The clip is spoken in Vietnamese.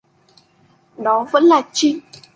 Đó vẫn là trinh